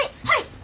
はい！